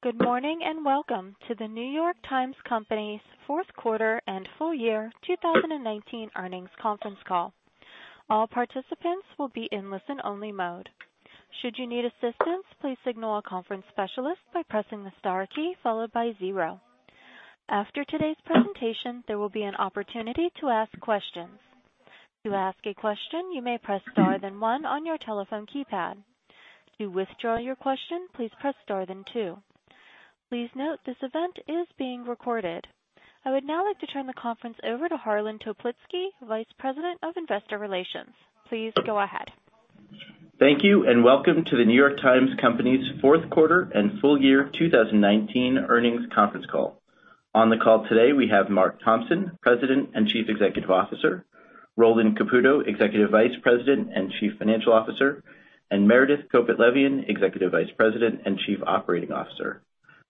Good morning and welcome to The New York Times Company's fourth quarter and full year 2019 earnings conference call. All participants will be in listen only mode. Should you need assistance, please signal a conference specialist by pressing the star key followed by zero. After today's presentation, there will be an opportunity to ask questions. To ask a question, you may press star, then one on your telephone keypad. To withdraw your question, please press star then two. Please note this event is being recorded. I would now like to turn the conference over to Harlan Toplitzky, Vice President of Investor Relations. Please go ahead. Thank you and welcome to The New York Times Company's fourth quarter and full year 2019 earnings conference call. On the call today, we have Mark Thompson, President and Chief Executive Officer, Roland Caputo, Executive Vice President and Chief Financial Officer, and Meredith Kopit Levien, Executive Vice President and Chief Operating Officer.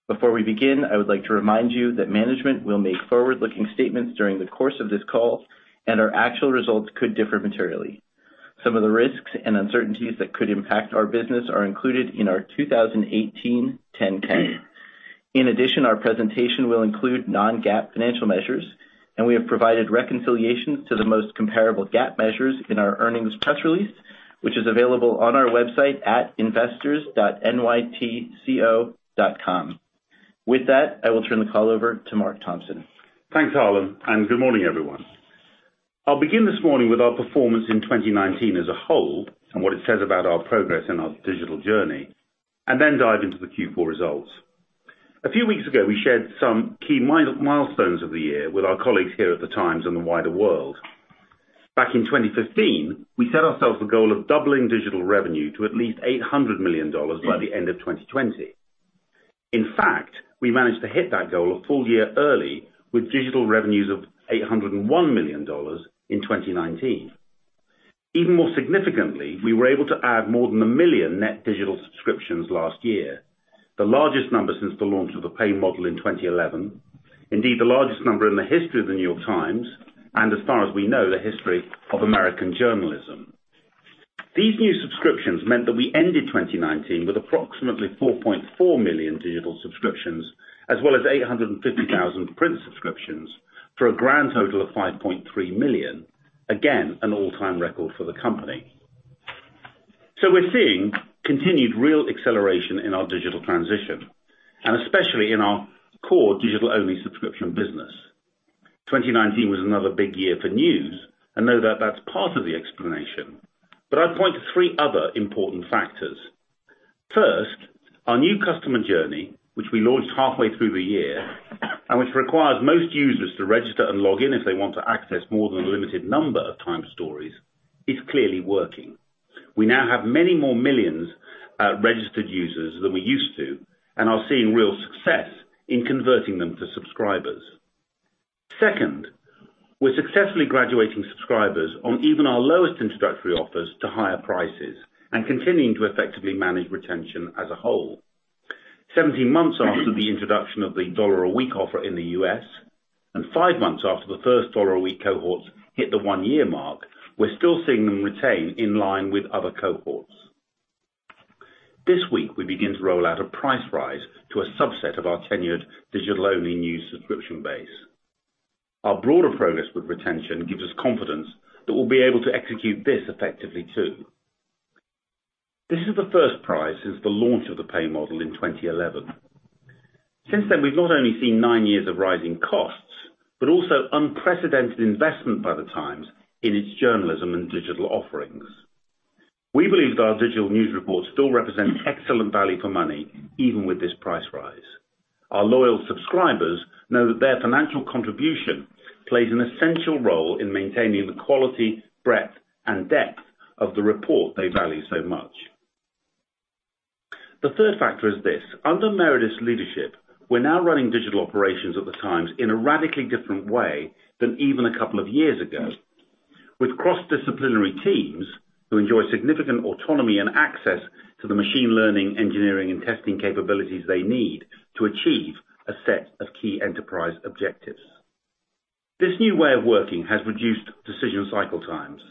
Before we begin, I would like to remind you that management will make forward-looking statements during the course of this call and our actual results could differ materially. Some of the risks and uncertainties that could impact our business are included in our 2018 10-K. In addition, our presentation will include non-GAAP financial measures, and we have provided reconciliations to the most comparable GAAP measures in our earnings press release, which is available on our website at investors.nytco.com. With that, I will turn the call over to Mark Thompson. Thanks, Harlan and good morning everyone. I'll begin this morning with our performance in 2019 as a whole and what it says about our progress in our digital journey, and then dive into the Q4 results. A few weeks ago, we shared some key milestones of the year with our colleagues here at The Times and the wider world. Back in 2015, we set ourselves the goal of doubling digital revenue to at least $800 million by the end of 2020. In fact, we managed to hit that goal a full year early with digital revenues of $801 million in 2019. Even more significantly, we were able to add more than a million net digital subscriptions last year. The largest number since the launch of the pay model in 2011. Indeed, the largest number in the history of The New York Times and as far as we know, the history of American journalism. These new subscriptions meant that we ended 2019 with approximately 4.4 million digital subscriptions. As well as 850,000 print subscriptions for a grand total of 5.3 million. Again, an all time record for the company. We're seeing continued real acceleration in our digital transition and especially in our core digital-only subscription business. 2019 was another big year for news, and you know that's part of the explanation, but I'd point to three other important factors. First, our new customer journey, which we launched halfway through the year, and which requires most users to register and log in if they want to access more than a limited number of Times stories is clearly working. We now have many more millions registered users than we used to and are seeing real success in converting them to subscribers. Second, we're successfully graduating subscribers on even our lowest introductory offers to higher prices and continuing to effectively manage retention as a whole. 17 months after the introduction of the dollar-a-week offer in the U.S. and five months after the first dollar-a-week cohorts hit the one year mark. We're still seeing them retain in line with other cohorts. This week, we begin to roll out a price rise to a subset of our tenured digital-only news subscription base. Our broader progress with retention gives us confidence that we'll be able to execute this effectively too. This is the first price since the launch of the pay model in 2011. Since then, we've not only seen nine years of rising costs, but also unprecedented investment by The Times in its journalism and digital offerings. We believe that our digital news reports still represent excellent value for money even with this price rise. Our loyal subscribers know that their financial contribution plays an essential role in maintaining the quality, breadth, and depth of the report they value so much. The third factor is this. Under Meredith's leadership, we're now running digital operations at The Times in a radically different way than even a couple of years ago, with cross-disciplinary teams who enjoy significant autonomy and access to the machine learning, engineering, and testing capabilities they need to achieve a set of key enterprise objectives. This new way of working has reduced decision cycle times.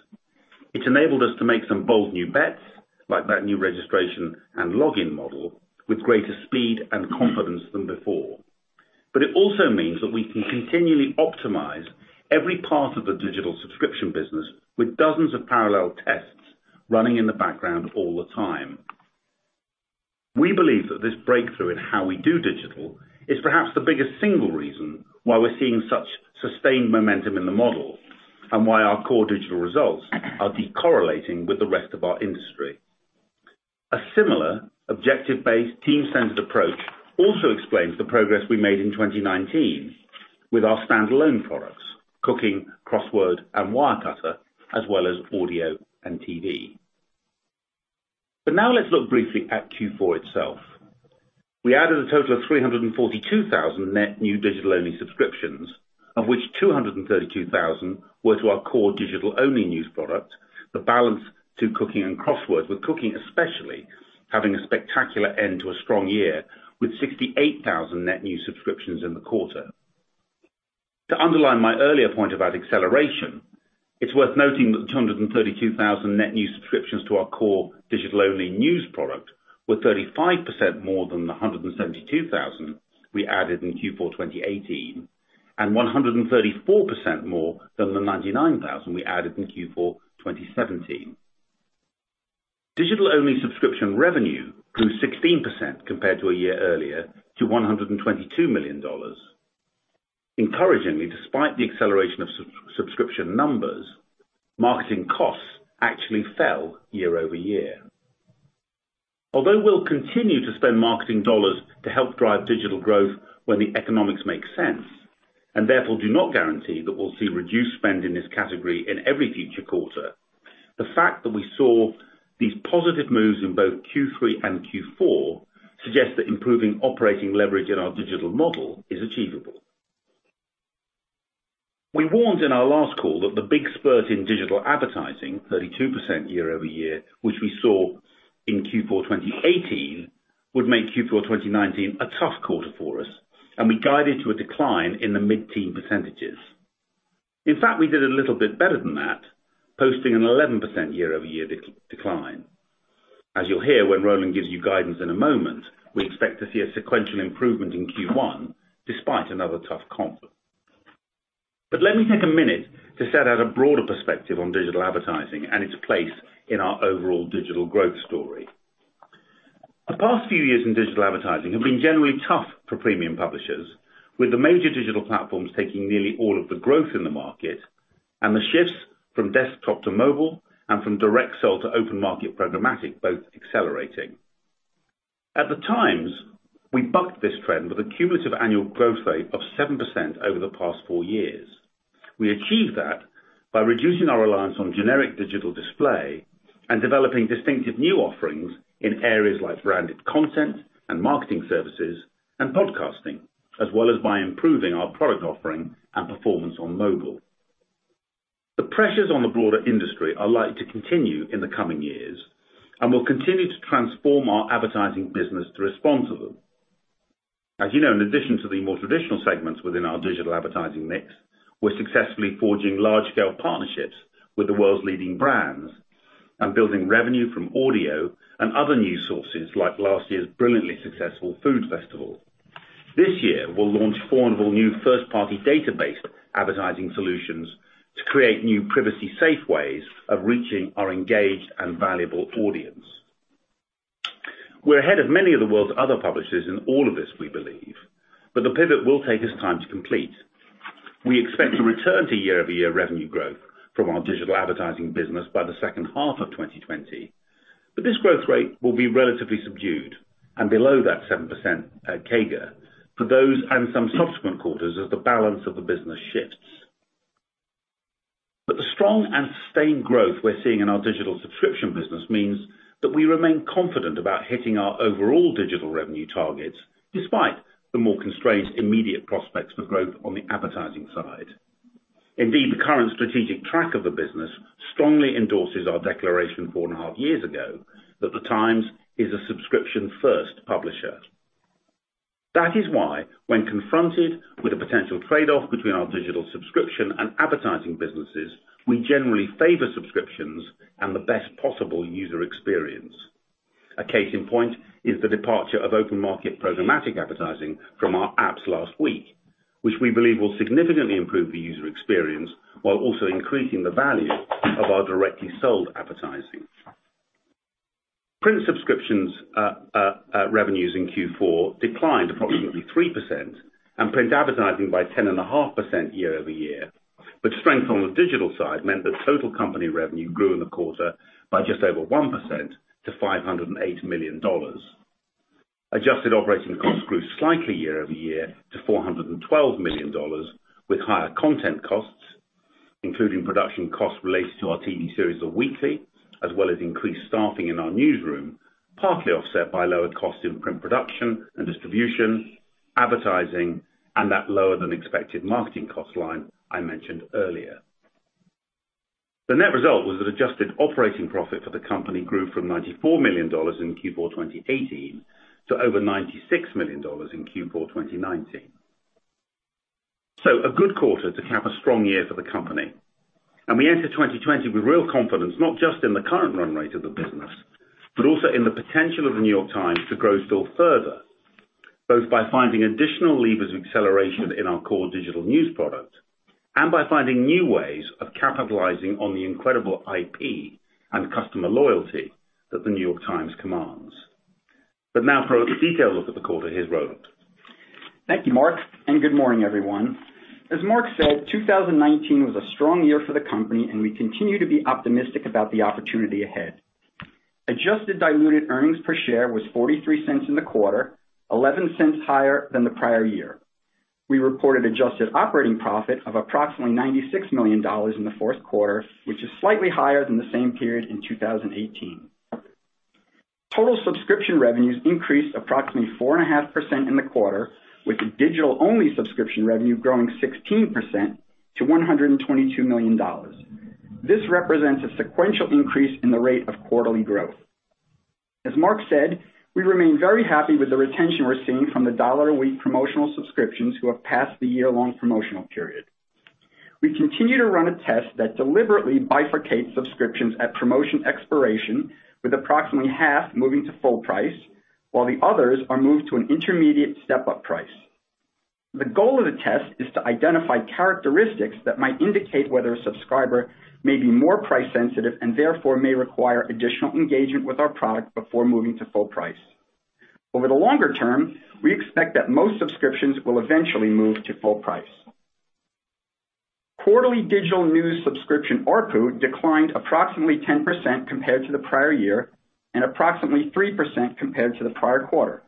It's enabled us to make some bold new bets, like that new registration and login model with greater speed and confidence than before. It also means that we can continually optimize every part of the digital subscription business with dozens of parallel tests running in the background all the time. We believe that this breakthrough in how we do digital is perhaps the biggest single reason. Why we're seeing such sustained momentum in the model and why our core digital results are de-correlating with the rest of our industry. A similar objective based team-centered approach also explains the progress, we made in 2019 with our standalone products, Cooking, Crossword, and Wirecutter, as well as Audio and TV. Now let's look briefly at Q4 itself. We added a total of 342,000 net new digital-only subscriptions, of which 232,000 were to our core digital-only news product, the balance to Cooking and Crossword, with Cooking especially having a spectacular end to a strong year with 68,000 net new subscriptions in the quarter. To underline my earlier point about acceleration, it's worth noting that the 232,000 net new subscriptions to our core digital-only news product were 35% more than the 172,000 we added in Q4 2018, and 134% more than the 99,000 we added in Q4 2017. Digital-only subscription revenue grew 16% compared to a year earlier to $122 million. Encouragingly, despite the acceleration of subscription numbers, marketing costs actually fell year-over-year. Although, we'll continue to spend marketing dollars to help drive digital growth when the economics make sense, and therefore do not guarantee that we'll see reduced spend in this category in every future quarter. The fact that we saw these positive moves in both Q3 and Q4 suggest that improving operating leverage in our digital model is achievable. We warned in our last call that the big spurt in digital advertising, 32% year-over-year, which we saw in Q4 2018, would make Q4 2019 a tough quarter for us, and we guided to a decline in the mid-teens percentage. In fact, we did a little bit better than that, posting an 11% year-over-year decline. As you'll hear when Roland gives you guidance in a moment, we expect to see a sequential improvement in Q1 despite another tough comp. Let me take a minute to set out a broader perspective on digital advertising and its place in our overall digital growth story. The past few years in digital advertising have been generally tough for premium publishers, with the major digital platforms taking nearly all of the growth in the market, and the shifts from desktop to mobile and from direct sell to open market programmatic, both accelerating. At The Times, we bucked this trend with a cumulative annual growth rate of 7% over the past four years. We achieved that by reducing our reliance on generic digital display and developing distinctive new offerings in areas like branded content and marketing services and podcasting, as well as by improving our product offering and performance on mobile. The pressures on the broader industry are likely to continue in the coming years, and we'll continue to transform our advertising business to respond to them. As you know, in addition to the more traditional segments within our digital advertising mix, we're successfully forging large-scale partnerships with the world's leading brands and building revenue from audio and other new sources like last year's brilliantly successful food festival. This year, we'll launch formidable new first-party database advertising solutions to create new privacy safe ways of reaching our engaged and valuable audience. We're ahead of many of the world's other publishers in all of this, we believe, but the pivot will take us time to complete. We expect to return to year-over-year revenue growth from our digital advertising business by the H2 of 2020, but this growth rate will be relatively subdued and below that 7% CAGR for those and some subsequent quarters as the balance of the business shifts. The strong and sustained growth we're seeing in our digital subscription business means that we remain confident about hitting our overall digital revenue targets, despite the more constrained immediate prospects for growth on the advertising side. Indeed, the current strategic track of the business strongly endorses our declaration four and a half years ago, that The Times is a subscription-first publisher. That is why, when confronted with a potential trade-off between our digital subscription and advertising businesses, we generally favor subscriptions and the best possible user experience. A case in point is the departure of open market programmatic advertising from our apps last week, which we believe will significantly improve the user experience while also increasing the value of our directly sold advertising. Print subscriptions revenues in Q4 declined approximately 3% and print advertising by 10.5% year-over-year. Strength on the digital side meant that total company revenue grew in the quarter by just over 1% to $508 million. Adjusted operating costs grew slightly year-over-year to $412 million, with higher content costs, including production costs related to our TV series The Weekly, as well as increased staffing in our newsroom partly offset by lower costs in print production and distribution, advertising, and that lower than expected marketing cost line I mentioned earlier. The net result was that adjusted operating profit for the company grew from $94 million in Q4 2018, to over $96 million in Q4 2019. A good quarter to cap a strong year for the company. We enter 2020 with real confidence, not just in the current run rate of the business, but also in the potential of The New York Times to grow still further, both by finding additional levers of acceleration in our core digital news product and by finding new ways of capitalizing on the incredible IP and customer loyalty that The New York Times commands. Now for a detailed look at the quarter. Here's Roland. Thank you, Mark, and good morning, everyone. As Mark said, 2019 was a strong year for the company and we continue to be optimistic about the opportunity ahead. Adjusted diluted earnings per share was $0.43 in the quarter, $0.11 higher than the prior year. We reported adjusted operating profit of approximately $96 million in the fourth quarter, which is slightly higher than the same period in 2018. Total subscription revenues increased approximately 4.5% in the quarter, with the digital-only subscription revenue growing 16% to $122 million. This represents a sequential increase in the rate of quarterly growth. As Mark said, we remain very happy with the retention we're seeing from the $1 a week promotional subscriptions who have passed the year-long promotional period. We continue to run a test that deliberately bifurcates subscriptions at promotion expiration, with approximately half moving to full price, while the others are moved to an intermediate step-up price. The goal of the test is to identify characteristics that might indicate whether a subscriber may be more price sensitive and therefore may require additional engagement with our product before moving to full price. Over the longer term, we expect that most subscriptions will eventually move to full price. Quarterly digital news subscription ARPU declined approximately 10% compared to the prior year, and approximately 3% compared to the prior quarter.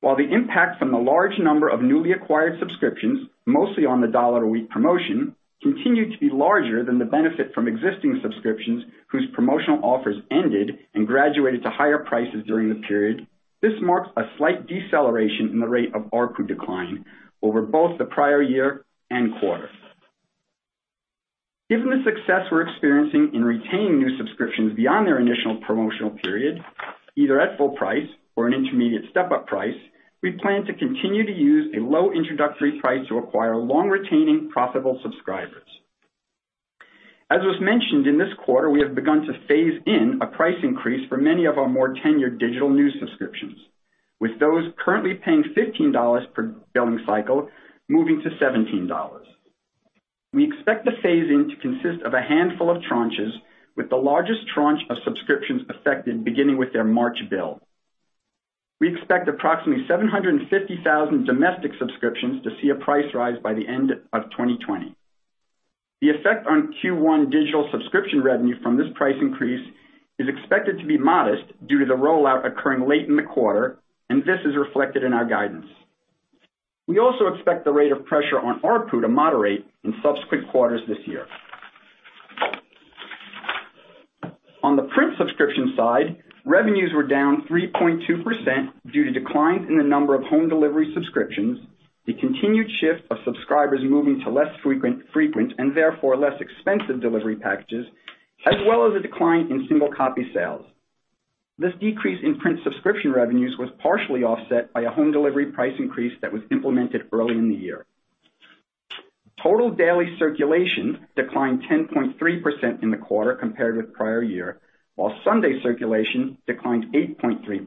While the impact from the large number of newly acquired subscriptions, mostly on the dollar a week promotion, continued to be larger than the benefit from existing subscriptions whose promotional offers ended and graduated to higher prices during the period, this marks a slight deceleration in the rate of ARPU decline over both the prior year and quarter. Given the success we're experiencing in retaining new subscriptions beyond their initial promotional period, either at full price or an intermediate step-up price, we plan to continue to use a low introductory price to acquire long-retaining profitable subscribers. As was mentioned, in this quarter, we have begun to phase in a price increase for many of our more tenured digital news subscriptions, with those currently paying $15 per billing cycle moving to $17. We expect the phase-in to consist of a handful of tranches, with the largest tranche of subscriptions affected beginning with their March bill. We expect approximately 750,000 domestic subscriptions to see a price rise by the end of 2020. The effect on Q1 digital subscription revenue from this price increase is expected to be modest due to the rollout occurring late in the quarter, and this is reflected in our guidance. We also expect the rate of pressure on ARPU to moderate in subsequent quarters this year. On the print subscription side, revenues were down 3.2% due to declines in the number of home delivery subscriptions the continued shift of subscribers moving to less frequent and therefore less expensive delivery packages. As well as a decline in single copy sales. This decrease in print subscription revenues was partially offset by a home delivery price increase that was implemented early in the year. Total daily circulation declined 10.3% in the quarter compared with prior year, while Sunday circulation declined 8.3%.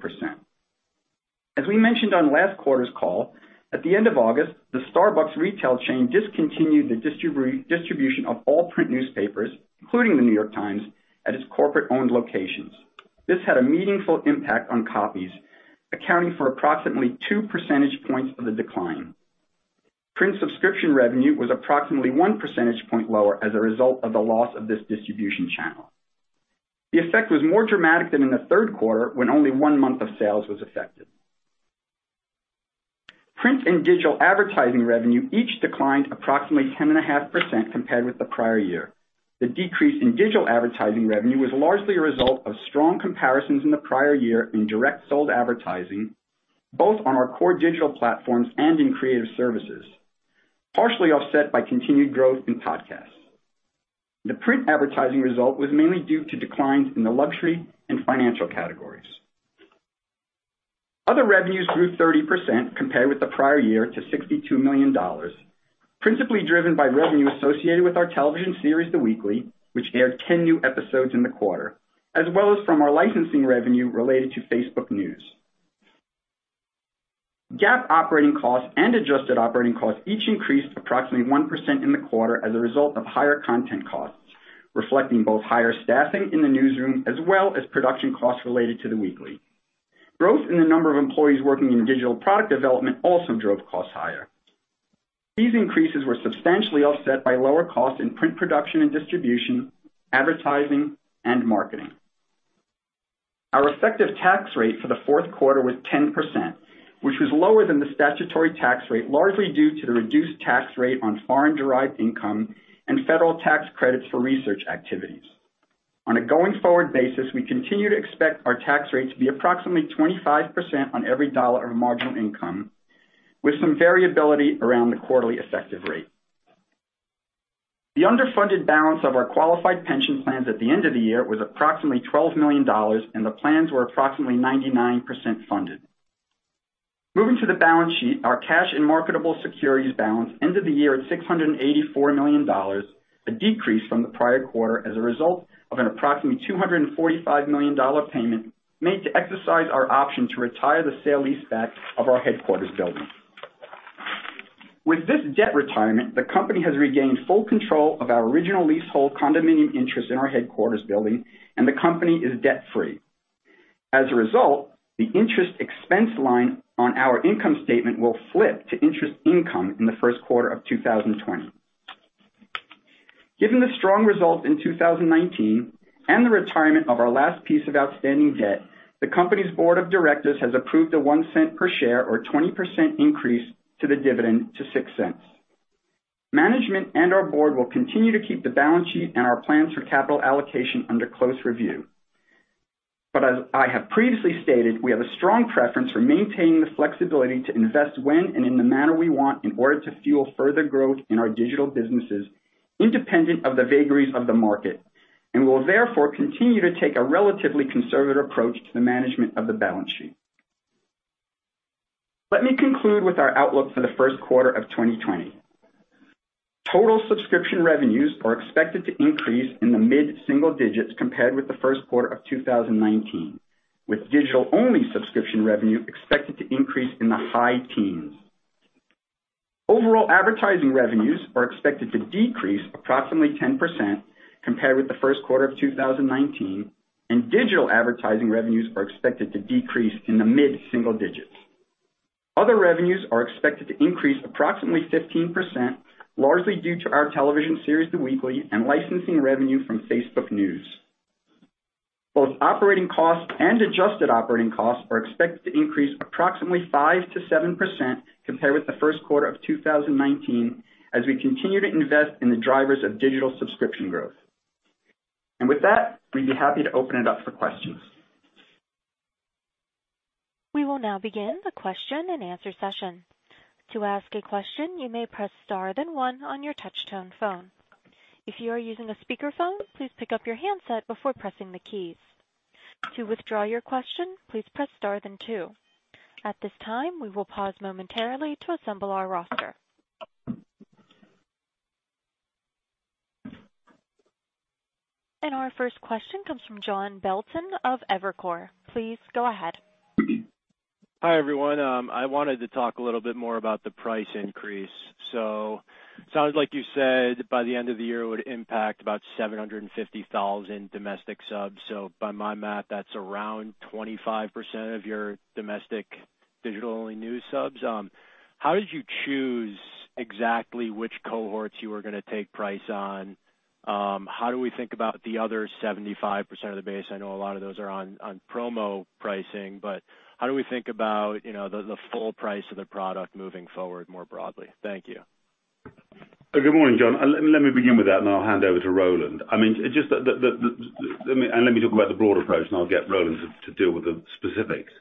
As we mentioned on last quarter's call, at the end of August, the Starbucks retail chain discontinued the distribution of all print newspapers, including The New York Times, at its corporate-owned locations. This had a meaningful impact on copies, accounting for approximately two percentage points of the decline. Print subscription revenue was approximately 1% point lower as a result of the loss of this distribution channel. The effect was more dramatic than in the third quarter, when only one month of sales was affected. Print and digital advertising revenue each declined approximately 10.5% compared with the prior year. The decrease in digital advertising revenue was largely a result of strong comparisons in the prior year in direct sold advertising, both on our core digital platforms and in creative services, partially offset by continued growth in podcasts. The print advertising result was mainly due to declines in the luxury and financial categories. Other revenues grew 30% compared with the prior year to $62 million, principally driven by revenue associated with our television series, "The Weekly," which aired 10 new episodes in the quarter, as well as from our licensing revenue related to Facebook News. GAAP operating costs and adjusted operating costs each increased approximately 1% in the quarter as a result of higher content costs, reflecting both higher staffing in the newsroom as well as production costs related to "The Weekly." Growth in the number of employees working in digital product development also drove costs higher. These increases were substantially offset by lower cost in print production and distribution, advertising, and marketing. Our effective tax rate for the fourth quarter was 10%, which was lower than the statutory tax rate, largely due to the reduced tax rate on foreign-derived income and federal tax credits for research activities. On a going-forward basis, we continue to expect our tax rate to be approximately 25% on every dollar of marginal income, with some variability around the quarterly effective rate. The underfunded balance of our qualified pension plans at the end of the year was approximately $12 million, and the plans were approximately 99% funded. Moving to the balance sheet, our cash and marketable securities balance ended the year at $684 million, a decrease from the prior quarter as a result of an approximately $245 million payment made to exercise our option to retire the sale leaseback of our headquarters building. With this debt retirement, the company has regained full control of our original leasehold condominium interest in our headquarters building, and the company is debt-free. As a result, the interest expense line on our income statement will flip to interest income in the first quarter of 2020. Given the strong results in 2019 and the retirement of our last piece of outstanding debt, the company's board of directors has approved a $0.01 per share or 20% increase to the dividend to $0.06. Management and our board will continue to keep the balance sheet and our plans for capital allocation under close review. As I have previously stated, we have a strong preference for maintaining the flexibility to invest when and in the manner we want in order to fuel further growth in our digital businesses. Independent of the vagaries of the market, and will therefore continue to take a relatively conservative approach to the management of the balance sheet. Let me conclude with our outlook for the first quarter of 2020. Total subscription revenues are expected to increase in the mid-single digits compared with the first quarter of 2019, with digital-only subscription revenue expected to increase in the high teens. Overall advertising revenues are expected to decrease approximately 10% compared with the first quarter of 2019, and digital advertising revenues are expected to decrease in the mid-single digits. Other revenues are expected to increase approximately 15%, largely due to our television series, "The Weekly" and licensing revenue from Facebook News. Both operating costs and adjusted operating costs are expected to increase approximately 5%-7% compared with the first quarter of 2019, as we continue to invest in the drivers of digital subscription growth. With that, we'd be happy to open it up for questions. We will now begin the question and answer session. To ask a question, you may press star then one on your touch tone phone. If you are using a speakerphone, please pick up your handset before pressing the keys. To withdraw your question, please press star then two. At this time, we will pause momentarily to assemble our roster. Our first question comes from John Belton of Evercore. Please go ahead. Hi, everyone. I wanted to talk a little bit more about the price increase. It sounds like you said, by the end of the year. It would impact about 750,000 domestic subs. By my math, that's around 25% of your domestic digital news subs. How did you choose exactly which cohorts you were going to take price on? How do we think about the other 75% of the base? I know a lot of those are on promo pricing, but how do we think about the full price of the product moving forward more broadly? Thank you. Good morning, John. Let me begin with that, and I'll hand over to Roland. Let me talk about the broad approach, and I'll get Roland to deal with the specifics.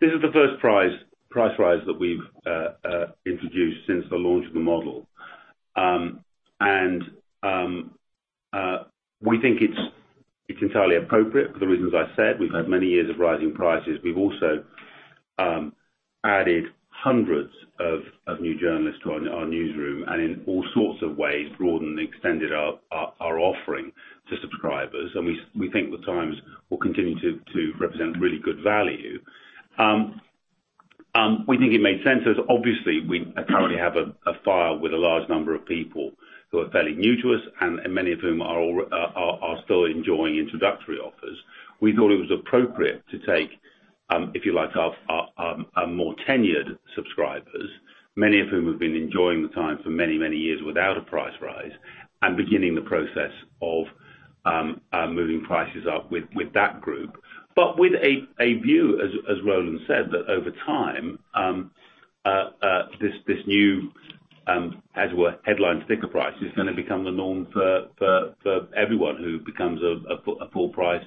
This is the first price rise that we've introduced since the launch of the model. We think it's entirely appropriate for the reasons I said. We've had many years of rising prices. We've also added 100 of new journalists to our newsroom, and in all sorts of ways broadened and extended our offering to subscribers. We think The Times will continue to represent really good value. We think it made sense as obviously we currently have a file with a large number of people who are fairly new to us and many of whom are still enjoying introductory offers. We thought it was appropriate to take. If you like, our more tenured subscribers many of whom have been enjoying The Times for many years without a price rise, and beginning the process of moving prices up with that group. With a view, as Roland said, that over time this new. As well as, headline sticker price is going to become the norm for everyone who becomes a full price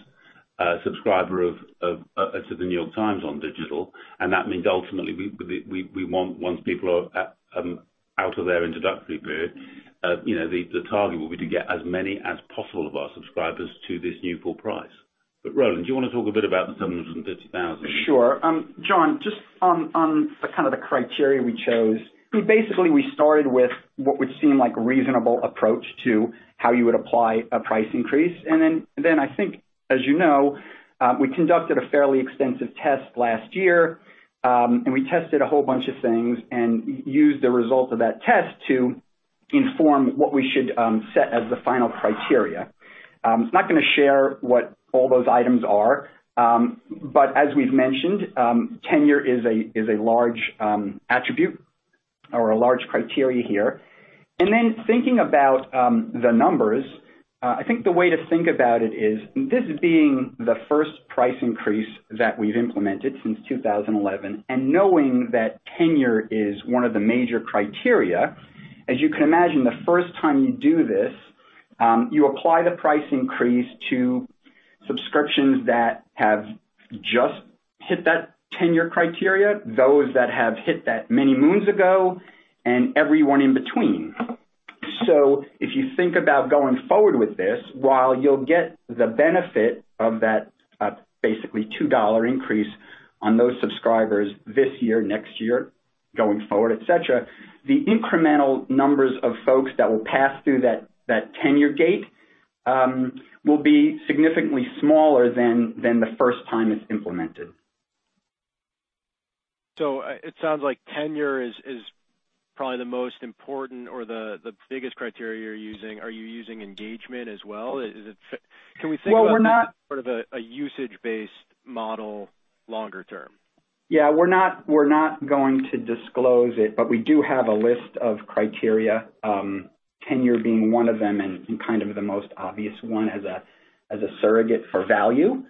subscriber of The New York Times on digital, and that means ultimately we want, once people are out of their introductory period. The target will be to get as many as possible of our subscribers to this new full price. Roland, do you want to talk a bit about the 750,000? Sure. John, just on the kind of the criteria we chose. Basically, we started with what would seem like a reasonable approach to how you would apply a price increase. I think, as you know, we conducted a fairly extensive test last year, and we tested a whole bunch of things and used the results of that test to inform what we should set as the final criteria. I'm not going to share what all those items are, but as we've mentioned tenure is a large attribute or a large criteria here. Thinking about the numbers, I think the way to think about it is this being the first price increase that we've implemented since 2011, and knowing that tenure is one of the major criteria as you can imagine the first time you do this. You apply the price increase to subscriptions that have just hit that tenure criteria, those that have hit that many moons ago, and everyone in between. If you think about going forward with this, while you'll get the benefit of that basically $2 increase on those subscribers this year, next year, going forward, et cetera, the incremental numbers of folks that will pass through that tenure gate will be significantly smaller than the first time it's implemented. It sounds like tenure is probably the most important or the biggest criteria you're using. Are you using engagement as well? We think about sort of a usage-based model longer term? Yeah, we're not going to disclose it, but we do have a list of criteria tenure being one of them and kind of the most obvious one as a surrogate for value.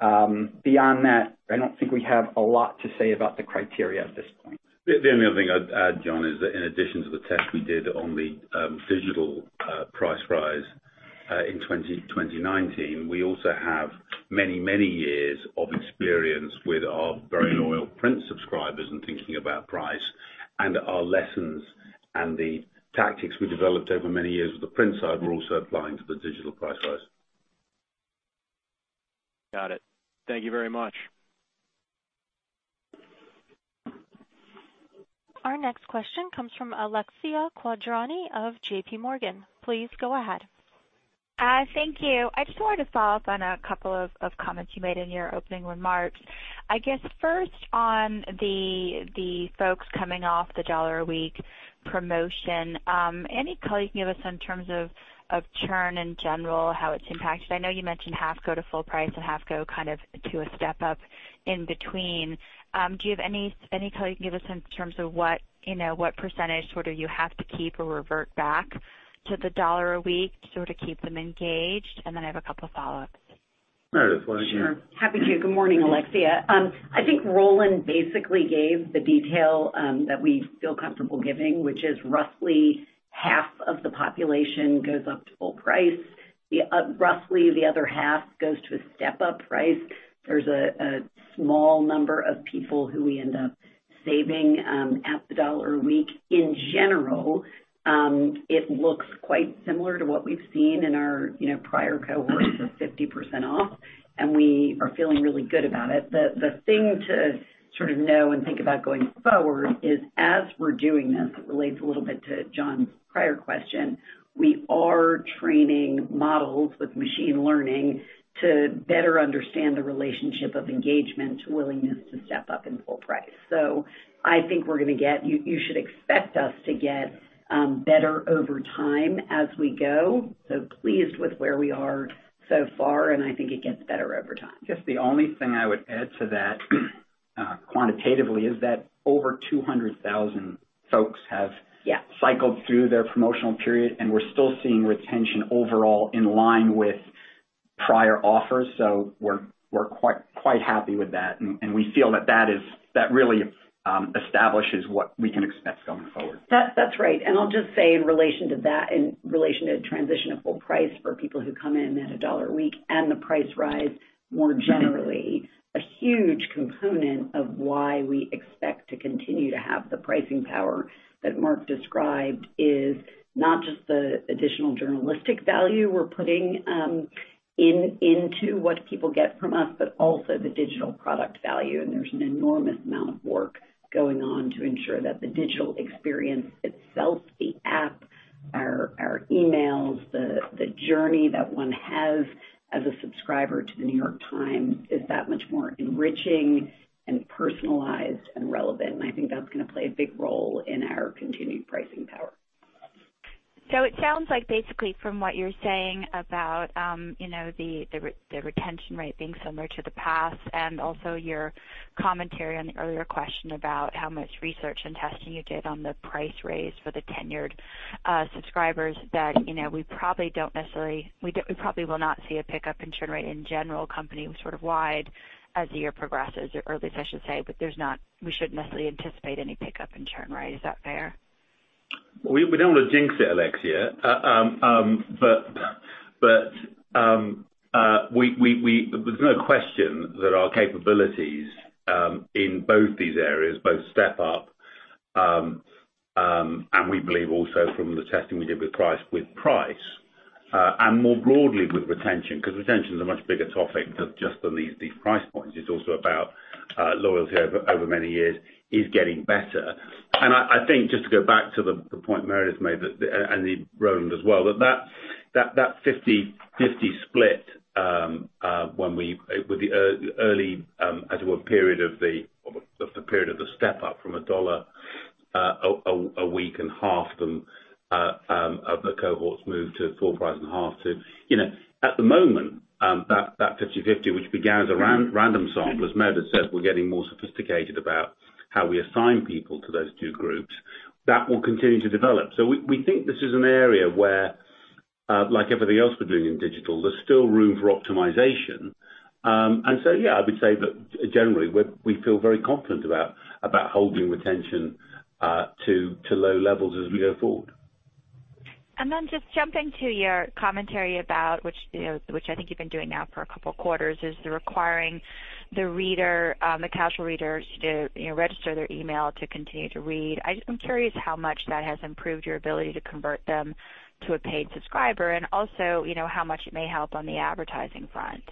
Beyond that, I don't think we have a lot to say about the criteria at this point. The only other thing I'd add, John is that in addition to the test we did on the digital price rise in 2019, we also have many years of experience with our very loyal print subscribers in thinking about price, and our lessons and the tactics we developed over many years with the print side were also applying to the digital price rise. Got it. Thank you very much. Our next question comes from Alexia Quadrani of JPMorgan. Please go ahead. Thank you. I just wanted to follow up on a couple of comments you made in your opening remarks. I guess, first on the folks coming off the $1 a week promotion. Any color you can give us in terms of churn in general. How it's impacted? I know you mentioned half go to full price and half go to a step up in between. Do you have any color you can give us in terms of what percentage, whether you have to keep or revert back to the $1 a week to keep them engaged? I have a couple follow-ups. Meredith, why don't you? Sure. Happy to. Good morning, Alexia. I think Roland basically gave the detail that we feel comfortable giving, which is roughly half of the population goes up to full price. Roughly the other half goes to a step-up price. There's a small number of people who we end up saving at $1 a week. In general, it looks quite similar to what we've seen in our prior cohorts of 50% off, and we are feeling really good about it. The thing to know and think about going forward is as we're doing this, it relates a little bit to John's prior question, we are training models with machine learning to better understand the relationship of engagement to willingness to step up in full price. I think you should expect us to get better over time as we go. Pleased with where we are so far, and I think it gets better over time. Just the only thing I would add to that quantitatively is that over 200,000 folks have Yeah cycled through their promotional period, and we're still seeing retention overall in line with prior offers. We're quite happy with that, and we feel that really establishes what we can expect going forward. That's right. I'll just say in relation to that, in relation to transition to full price for people who come in at $1 a week and the price rise more generally, a huge component of why we expect to continue to have the pricing power that Mark described is not just the additional journalistic value. We're putting into what people get from us but also the digital product value, and there's an enormous amount of work going on to ensure that the digital experience itself. The app, our emails, the journey that one has as a subscriber to The New York Times is that much more enriching and personalized and relevant, and I think that's going to play a big role in our continued pricing power. It sounds like basically from what you're saying about the retention rate being similar to the past and also your commentary on the earlier question about how much research and testing you did on the price raise for the tenured subscribers that we probably will not see a pickup in churn rate in general, company wide as the year progresses or at least I should say, we shouldn't necessarily anticipate any pickup in churn, right? Is that fair? We don't want to jinx it, Alexia. There's no question that our capabilities in both these areas both step up, and we believe also from the testing we did with price, and more broadly with retention, because retention is a much bigger topic than just on these price points. It's also about loyalty over many years is getting better. I think just to go back to the point Meredith made and Roland as well, that 50/50 split with the early as it were period of the step-up from $1 a week and half of the cohorts moved to full price and half to. At the moment, that 50/50, which began as a random sample, as Meredith said, we're getting more sophisticated about how we assign people to those two groups. That will continue to develop. We think this is an area where, like everything else we're doing in digital. There's still room for optimization. Yeah, I would say that generally, we feel very confident about holding retention to low levels as we go forward. Just jumping to your commentary about, which I think you've been doing now for a couple of quarters, requiring the casual readers to register their email to continue to read. I'm curious how much that has improved your ability to convert them to a paid subscriber and also, how much it may help on the advertising front.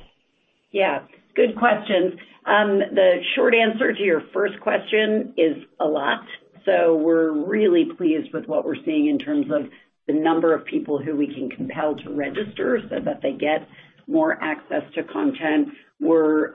Yeah. Good questions. The short answer to your first question is a lot. We're really pleased with what we're seeing in terms of the number of people who we can compel to register so that they get more access to content. We're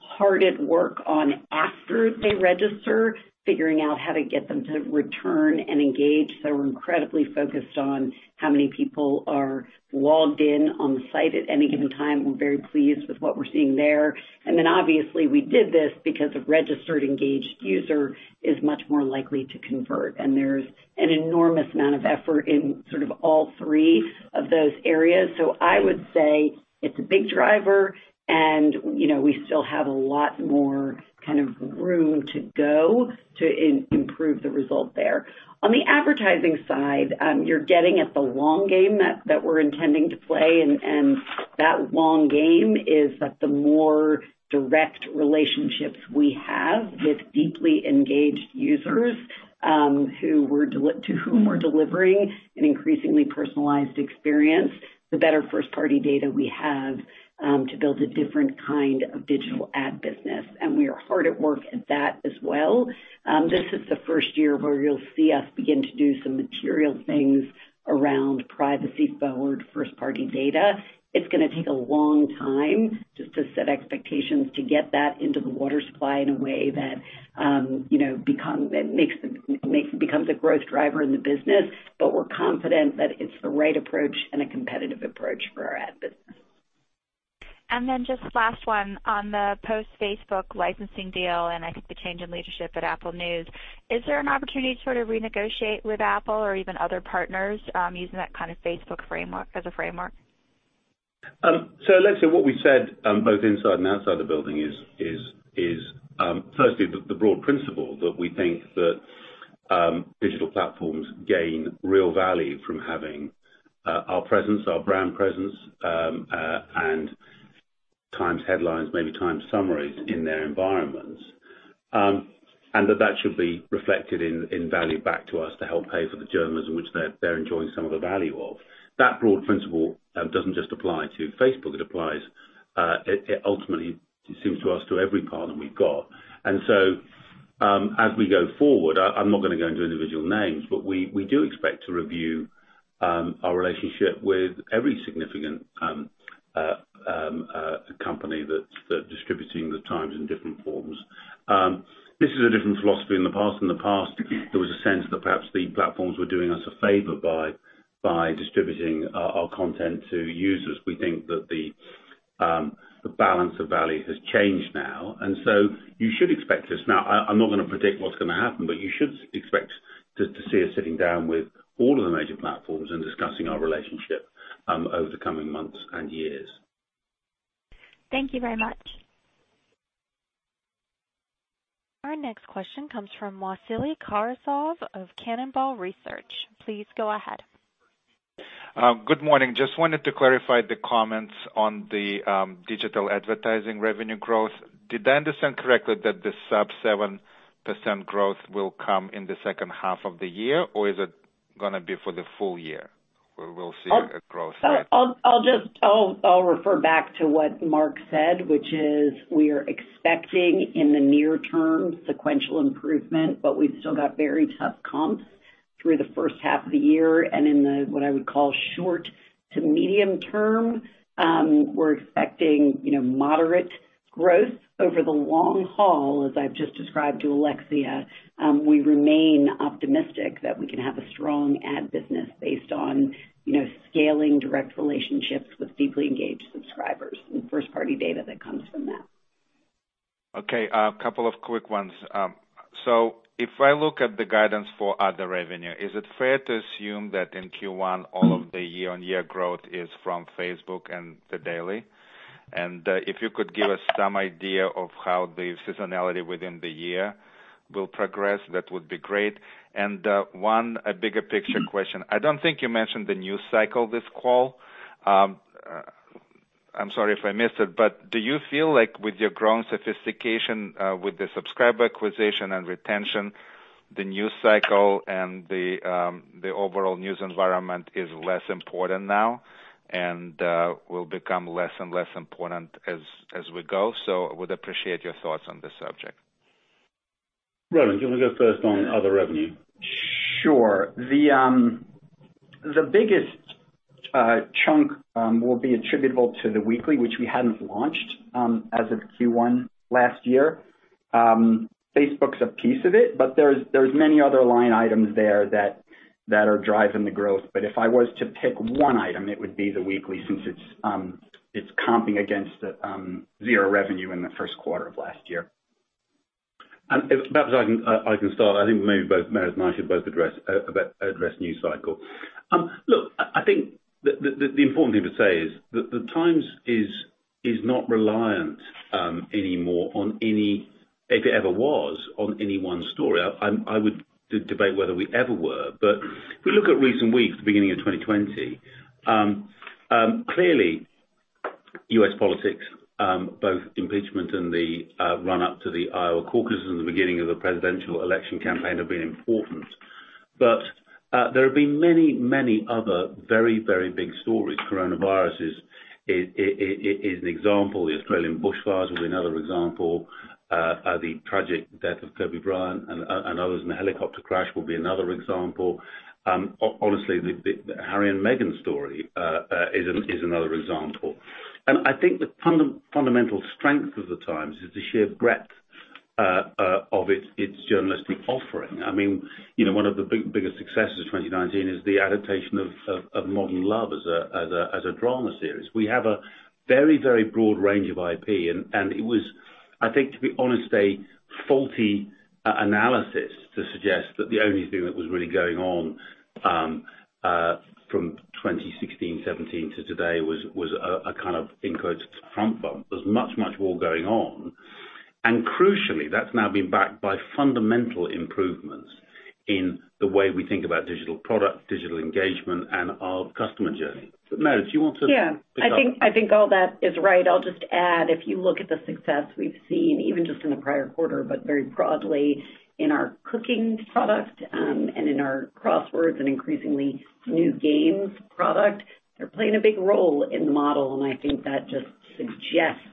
hard at work on after they register, figuring out how to get them to return and engage. We're incredibly focused on how many people are logged in on the site at any given time. We're very pleased with what we're seeing there. Then obviously, we did this because a registered, engaged user is much more likely to convert, and there's an enormous amount of effort in all three of those areas. I would say it's a big driver, and we still have a lot more room to go to improve the result there. On the advertising side, you're getting at the long game that we're intending to play, and that long game is that the more direct relationship we have with deeply engaged users to whom we're delivering an increasingly personalized experience, the better first-party data we have to build a different kind of digital ad business. We are hard at work at that as well. This is the first year where you'll see us begin to do some material things around privacy-forward first-party data. It's going to take a long time, just to set expectations, to get that into the water supply in a way that becomes a growth driver in the business. We're confident that it's the right approach and a competitive approach for our ad business. Just last one on the post-Facebook licensing deal, and I think the change in leadership at Apple News. Is there an opportunity to sort of renegotiate with Apple or even other partners using that kind of Facebook framework as a framework? Alexia, what we said, both inside and outside the building is. Firstly, the broad principle that we think that digital platforms gain real value from having our presence, our brand presence, and Times headlines, maybe Times summaries in their environments. That should be reflected in value back to us to help pay for the journalism which they're enjoying some of the value of. That broad principle doesn't just apply to Facebook. It applies, it ultimately seems to us, to every partner we've got. As we go forward, I'm not going to go into individual names, but we do expect to review our relationship with every significant company that's distributing The Times in different forms. This is a different philosophy than in the past. In the past, there was a sense that perhaps the platforms were doing us a favor by distributing our content to users. We think that the balance of value has changed now, and so you should expect us. Now, I'm not going to predict what's going to happen, but you should expect to see us sitting down with all of the major platforms and discussing our relationship over the coming months and years. Thank you very much. Our next question comes from Vasily Karasyov of Cannonball Research. Please go ahead. Good morning. Just wanted to clarify the comments on the digital advertising revenue growth. Did I understand correctly that the sub-7% growth will come in the H2 of the year, or is it going to be for the full year where we'll see a growth rate? I'll refer back to what Mark said, which is we are expecting, in the near term, sequential improvement, but we've still got very tough comps through the H1 of the year. In the, what I would call short to medium term, we're expecting moderate growth. Over the long haul, as I've just described to Alexia, we remain optimistic that we can have a strong ad business based on scaling direct relationships with deeply engaged subscribers and first-party data that comes from that. Okay, a couple of quick ones. If I look at the guidance for other revenue is it fair to assume that in Q1. All of the year-on-year growth is from Facebook and The Daily? If you could give us some idea of how the seasonality within the year will progress, that would be great. One bigger picture question. I don't think you mentioned the news cycle on this call. I'm sorry if I missed it, but do you feel like with your growing sophistication, with the subscriber acquisition and retention, the news cycle and the overall news environment is less important now and will become less and less important as we go? I would appreciate your thoughts on this subject. Roland, do you want to go first on other revenue? Sure. The biggest chunk will be attributable to The Weekly, which we hadn't launched as of Q1 last year. Facebook's a piece of it, but there's many other line items there that are driving the growth. If I was to pick one item. It would be The Weekly since. It's comping against zero revenue in the first quarter of last year. Perhaps I can start. I think maybe both Meredith and I should both address news cycle. Look, I think the important thing to say is The Times is not reliant anymore on any, if it ever was on any one story. I would debate whether we ever were. If we look at recent weeks the beginning of 2020, clearly U.S. politics, both impeachment and the run-up to the Iowa caucus and the beginning of the presidential election campaign have been important. There have been many other very big stories. Coronavirus is an example. The Australian bushfires was another example. The tragic death of Kobe Bryant and others in the helicopter crash will be another example. Honestly, the Harry and Meghan story is another example. I think the fundamental strength of The Times is the sheer breadth of its journalistic offering. One of the biggest successes of 2019 is the adaptation of Modern Love as a drama series. We have a very broad range of IP, and it was. I think, to be honest a faulty analysis to suggest that the only thing that was really going on from 2016- 2017, to today was a kind of in quotes, Trump bump. There was much more going on. Crucially, that's now been backed by fundamental improvements in the way we think about digital product, digital engagement, and our customer journey. Meredith, you want to pick up? Yeah. I think all that is right. I'll just add, if you look at the success. We've seen, even just in the prior quarter, but very broadly in our cooking product, and in our crosswords and increasingly new games product, they're playing a big role in the model. I think that just suggests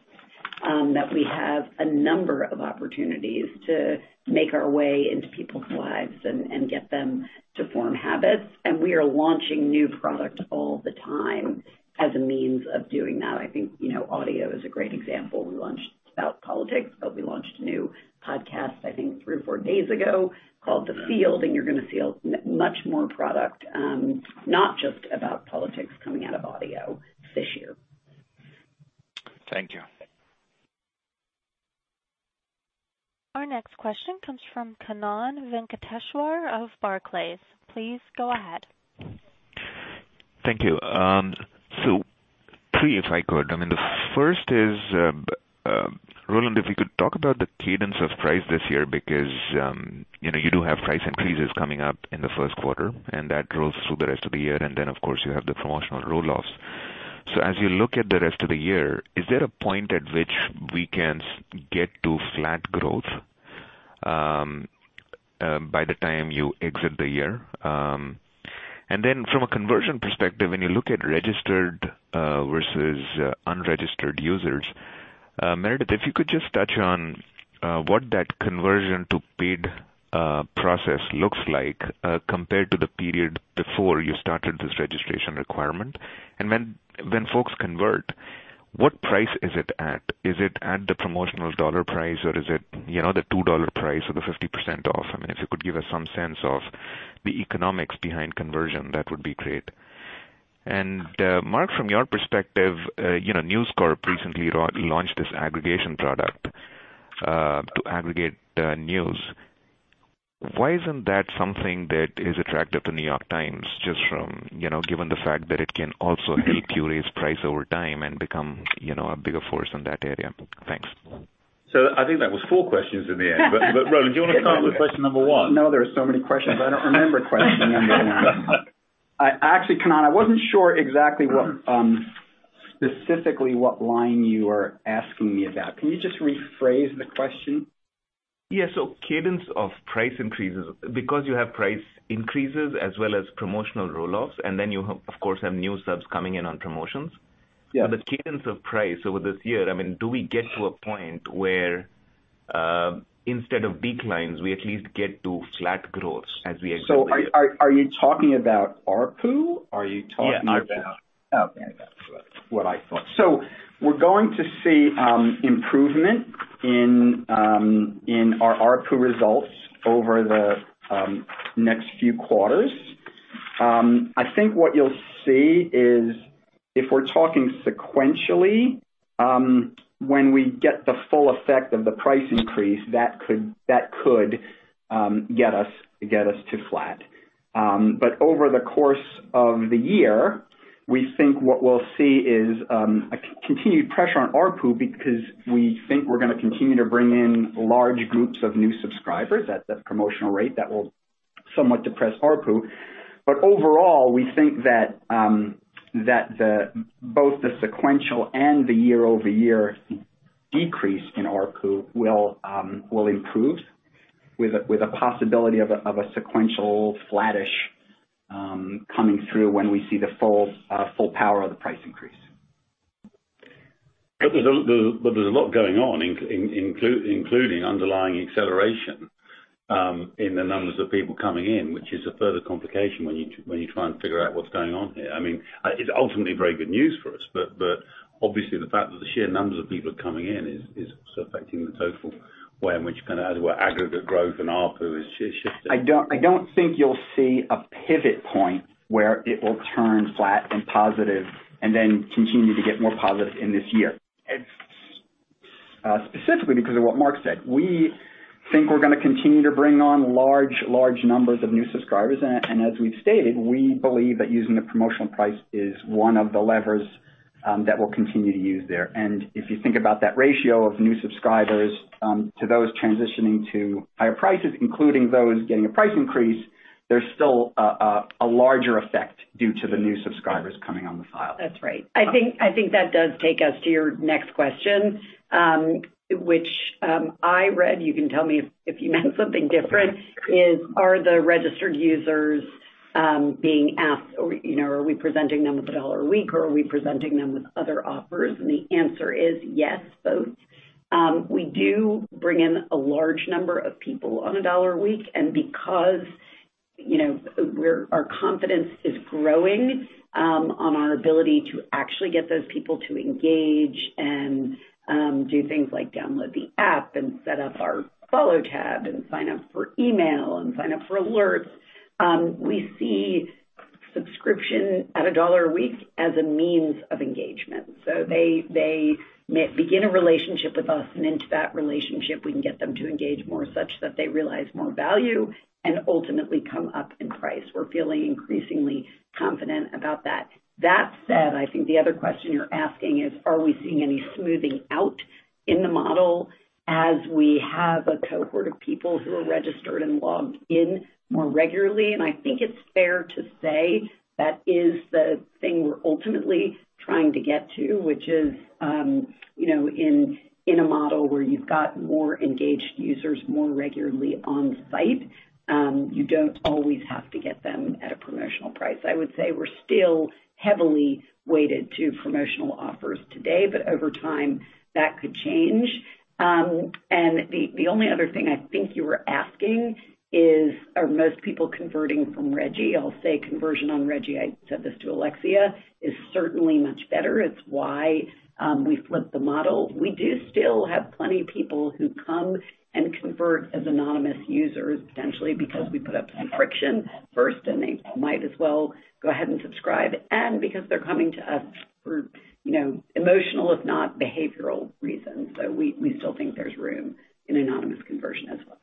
that we have a number of opportunities to make our way into people's lives and get them to form habits. We are launching new product all the time as a means of doing that. I think audio is a great example. We launched The Opinions, but we launched a new podcast. I think, three or four days ago called The Field, and you're going to see much more product not just The Opinions coming out of audio this year. Thank you. Our next question comes from Kannan Venkateshwar of Barclays. Please go ahead. Thank you. Three, if I could. The first is Roland, if we could talk about the cadence of price this year, because you do have price increases coming up in the first quarter, and that grows through the rest of the year. Then, of course, you have the promotional roll-offs. As you look at the rest of the year is there a point at which we can get to flat growth by the time you exit the year? Then from a conversion perspective, when you look at registered versus unregistered users. Meredith, if you could just touch on what that conversion to paid process looks like compared to the period before you started this registration requirement. When folks convert, what price is it at? Is it at the promotional dollar price or is it the $2 price or the 50% off? If you could give us some sense of the economics behind conversion, that would be great. Mark, from your perspective, News Corp recently launched this aggregation product to aggregate news. Why isn't that something that is attractive to New York Times, just from given the fact that it can also help you raise price over time and become a bigger force in that area? Thanks. I think that was four questions in the end. Roland, do you want to start with question number one? No, there are so many questions. I don't remember question number one. Actually, Kannan, I wasn't sure exactly specifically what line you were asking me about. Can you just rephrase the question? Yeah. Cadence of price increases, because you have price increases as well as promotional roll-offs, and then you of course have new subs coming in on promotions. Yeah. The cadence of price over this year. Do we get to a point where instead of declines, we at least get to flat growth as we exit the year? Are you talking about ARPU? Yeah, ARPU. Okay. That's what I thought. We're going to see improvement in our ARPU results over the next few quarters. I think what you'll see is if we're talking sequentially, when we get the full effect of the price increase, that could get us to flat. Over the course of the year, we think what we'll see is a continued pressure on ARPU because we think we're going to continue to bring in large groups of new subscribers at the promotional rate that will somewhat depress ARPU. Overall, we think that both the sequential and the year-over-year decrease in ARPU will improve with a possibility of a sequential flattish coming through when we see the full power of the price increase. There's a lot going on, including underlying acceleration in the numbers of people coming in, which is a further complication when you try and figure out what's going on here. It's ultimately very good news for us, but obviously the fact that the sheer numbers of people coming in is also affecting the total way in which aggregate growth and ARPU is shifting. I don't think you'll see a pivot point where it will turn flat and positive and then continue to get more positive in this year. Specifically because of what Mark said. We think we're going to continue to bring on large numbers of new subscribers, and as we've stated, we believe that using the promotional price is one of the levers that we'll continue to use there. If you think about that ratio of new subscribers to those transitioning to higher prices, including those getting a price increase, there's still a larger effect due to the new subscribers coming on the file. That's right. I think that does take us to your next question, which I read, you can tell me if you meant something different are the registered users being asked, are we presenting them with a $1 a week or are we presenting them with other offers? The answer is yes, both. We do bring in a large number of people on a $1 a week, and because our confidence is growing on our ability to actually get those people to engage and do things like download the app and set up our follow tab and sign up for email and sign up for alerts, we see subscription at a $1 a week as a means of engagement. They may begin a relationship with us, and into that relationship, we can get them to engage more such that they realize more value and ultimately come up in price. We're feeling increasingly confident about that. That said, I think the other question you're asking is, are we seeing any smoothing out in the model? As we have a cohort of people who are registered and logged in more regularly, and I think it's fair to say that is the thing we're ultimately trying to get to, which is in a model where you've got more engaged users more regularly on site. You don't always have to get them at a promotional price. I would say we're still heavily weighted to promotional offers today, but over time that could change. The only other thing I think you were asking is, are most people converting from regi? I'll say conversion on regi. I said this to Alexia. It's certainly much better. It's why we flipped the model. We do still have plenty of people who come and convert as anonymous users, potentially because we put up some friction first, and they might as well go ahead and subscribe, and because they're coming to us for emotional, if not behavioral reasons. We still think there's room in anonymous conversion as well.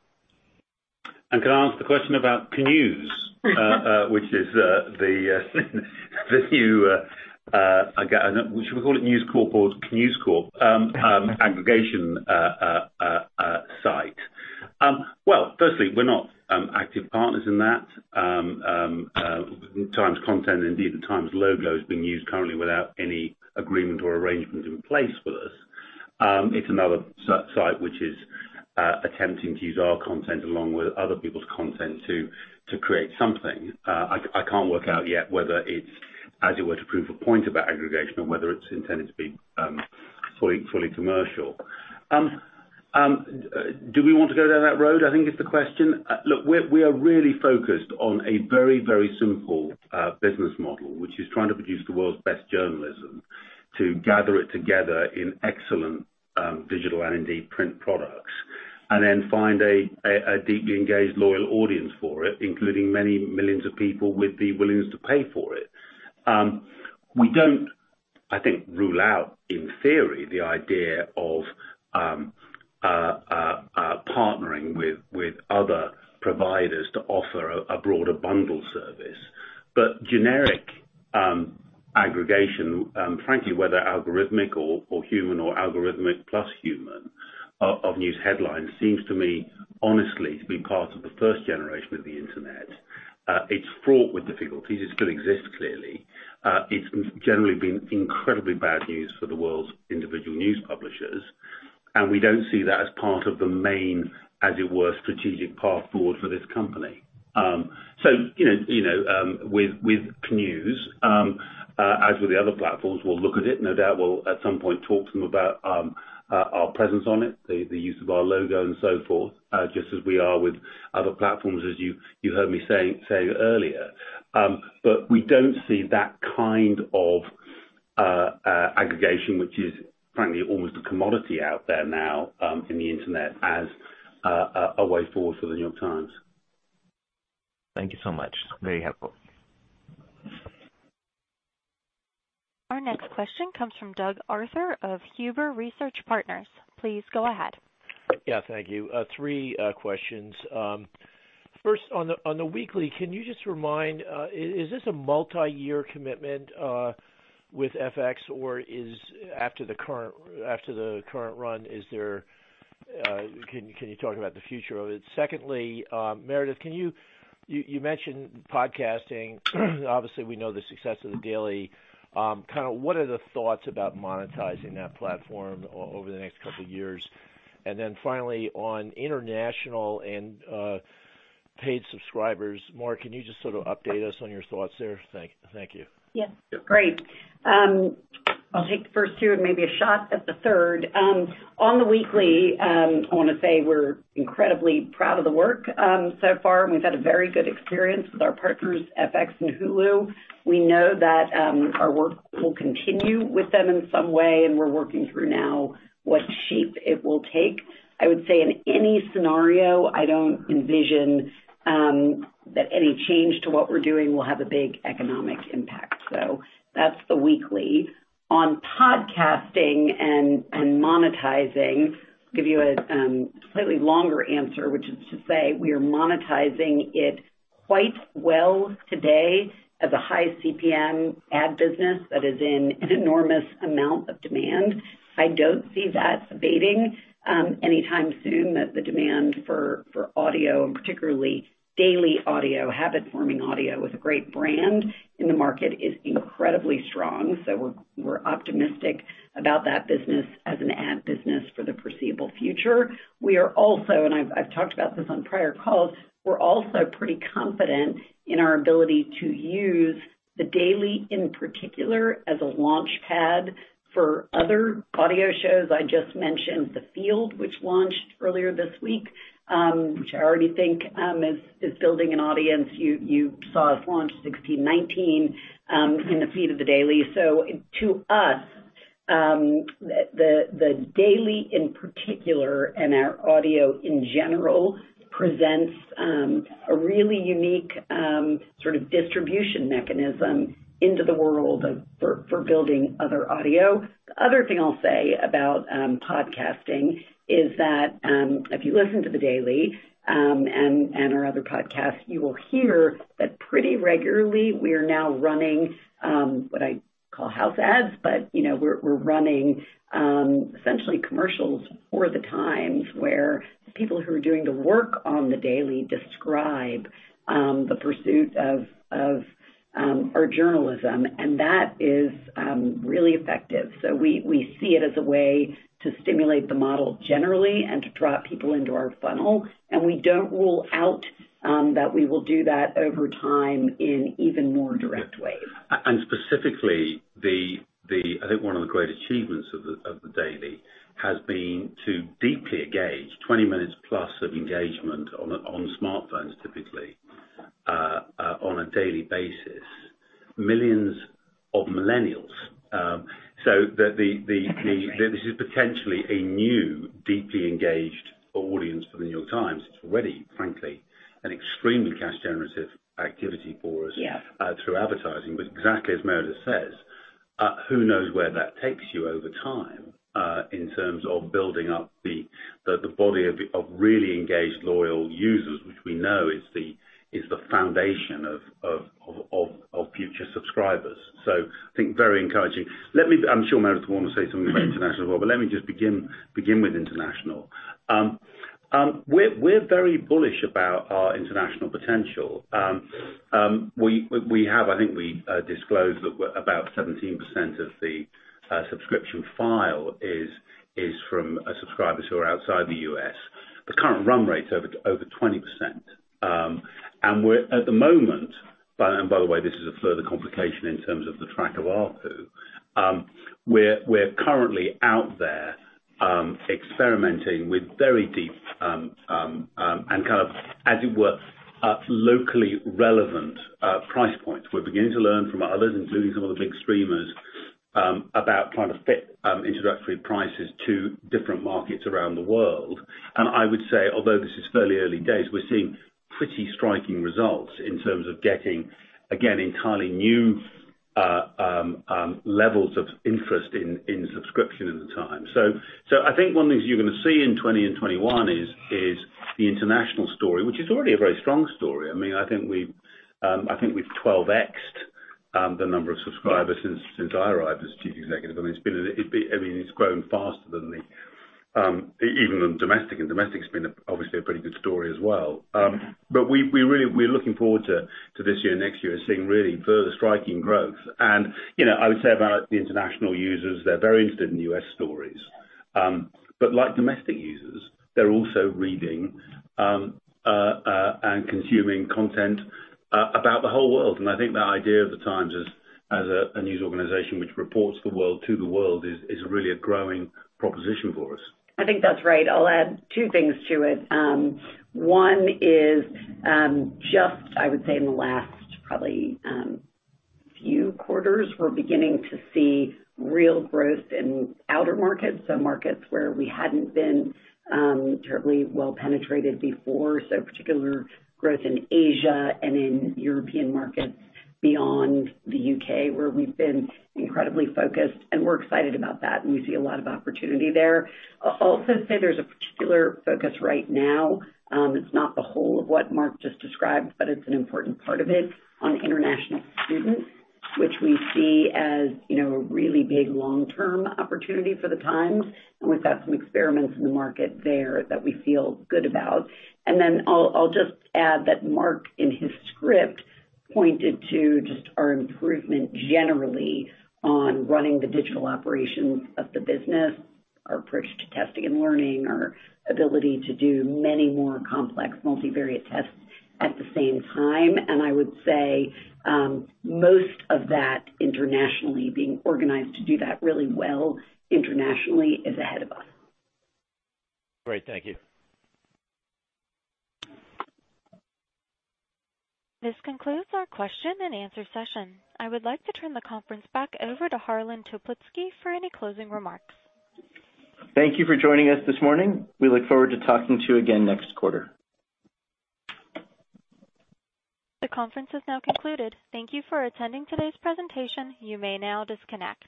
Can I ask the question about Knewz? Which is the new, should we call it News Corp or Knewz Corp? Aggregation site. Well, firstly, we're not active partners in that. Times content, indeed The Times logo is being used currently without any agreement or arrangement in place with us. It's another site which is attempting to use our content along with other people's content to create something. I can't work out yet whether. It's as it were to prove a point about aggregation or whether. It's intended to be fully commercial. Do we want to go down that road, I think is the question. Look, we are really focused on a very, very simple business model, which is trying to produce the world's best journalism. To gather it together in excellent digital and indeed print products, and then find a deeply engaged, loyal audience for it, including many millions of people with the willingness to pay for it. We don't, I think, rule out. In theory, the idea of partnering with other providers to offer a broader bundle service. Generic aggregation, frankly, whether algorithmic or human or algorithmic plus human of news headlines seems to me. Honestly, to be part of the first generation of the Internet. It's fraught with difficulties. It still exists, clearly. It's generally been incredibly bad news for the world's individual news publishers, and we don't see that as part of the main as it were strategic path forward for this company. With Knewz, as with the other platforms we'll look at it. No doubt we'll at some point talk to them about our presence on it the use of our logo and so forth just as we are with other platforms, as you heard me say earlier. We don't see that kind of aggregation, which is frankly almost a commodity out there now in the internet, as a way forward for The New York Times. Thank you so much. Very helpful. Our next question comes from Doug Arthur of Huber Research Partners. Please go ahead. Yeah, thank you. Three questions. First, on The Weekly, can you just remind. Is this a multi-year commitment with FX or after the current run can you talk about the future of it? Secondly, Meredith, you mentioned podcasting. Obviously, we know the success of The Daily. What are the thoughts about monetizing that platform over the next couple of years? Finally, on international and paid subscribers Mark, can you just sort of update us on your thoughts there? Thank you. Yeah. Great. I'll take the first two and maybe a shot at the third. On The Weekly, I want to say we're incredibly proud of the work so far, and we've had a very good experience with our partners FX and Hulu. We know that our work will continue with them in some way, and we're working through now what shape it will take. I would say in any scenario, I don't envision that any change to what we're doing will have a big economic impact. So that's The Weekly. On podcasting and monetizing, give you a slightly longer answer, which is to say we are monetizing it quite well today as a high CPM ad business that is in an enormous amount of demand. I don't see that abating anytime soon, that the demand for audio, and particularly daily audio, habit-forming audio with a great brand in the market is incredibly strong. We're optimistic about that business as an ad business for the foreseeable future. We are also, and I've talked about this on prior calls, we're also pretty confident in our ability to use The Daily in particular as a launchpad for other audio shows. I just mentioned The Field, which launched earlier this week, which I already think is building an audience. You saw us launch 1619 in the feed of The Daily. To us, The Daily in particular, and our audio in general, presents a really unique sort of distribution mechanism into the world for building other audio. The other thing I'll say about podcasting is that if you listen to The Daily, and our other podcasts, you will hear that pretty regularly. We are now running what I call house ads, but we're running essentially commercials for The Times where people who are doing the work on The Daily describe the pursuit of our journalism, and that is really effective. We see it as a way to stimulate the model generally and to draw people into our funnel, and we don't rule out that we will do that over time in even more direct ways. Specifically, I think one of the great achievements of The Daily has been to deeply engage 20 minutes plus of engagement on smartphones, typically, on a daily basis, millions of millennials. This is potentially a new, deeply engaged audience for The New York Times. It's already, frankly, an extremely cash-generative activity for us. Yes through advertising. Exactly as Meredith says, who knows where that takes you over time, in terms of building up the body of really engaged, loyal users, which we know is the foundation of future subscribers. I think very encouraging. I'm sure Meredith will want to say something about international as well, but let me just begin with international. We're very bullish about our international potential. I think we disclosed that we're about 17% of the subscription file is from subscribers who are outside the U.S. The current run rate is over 20%. We're at the moment and by the way, this is a further complication in terms of the track of ARPU, we're currently out there experimenting with very deep, and kind of as it were, locally relevant price points. We're beginning to learn from others, including some of the big streamers, about trying to fit introductory prices to different markets around the world. I would say, although this is fairly early days, we're seeing pretty striking results in terms of getting. Again, entirely new levels of interest in subscription at The Times. I think one of the things you're going to see in 2020-2021 is the international story which is already a very strong story. I think we've 12x'd the number of subscribers since I arrived as chief executive. It's grown faster than even the domestic and domestic's been obviously a pretty good story as well. We're looking forward to this year and next year seeing really further striking growth. I would say about the international users, they're very interested in U.S. stories. like domestic users, they're also reading and consuming content about the whole world. I think that idea of The Times as a news organization which reports the world to the world is really a growing proposition for us. I think that's right. I'll add two things to it. One is, just I would say in the last probably few quarters, we're beginning to see real growth in other markets. So, markets where we hadn't been terribly well penetrated before. Particular growth in Asia and in European markets beyond the U.K. Where we've been incredibly focused, and we're excited about that, and we see a lot of opportunity there. I'll also say there's a particular focus right now. It's not the whole of what Mark just described, but it's an important part of it on international students, which we see as a really big long-term opportunity for The Times, and we've got some experiments in the market there that we feel good about. I'll just add that Mark, in his script pointed to just our improvement generally on running the digital operations of the business, our approach to testing and learning, our ability to do many more complex multivariate tests at the same time. I would say, most of that internationally being organized to do that really well internationally is ahead of us. Great. Thank you. This concludes our question and answer session. I would like to turn the conference back over to Harlan Toplitzky for any closing remarks. Thank you for joining us this morning. We look forward to talking to you again next quarter. The conference has now concluded. Thank you for attending today's presentation. You may now disconnect.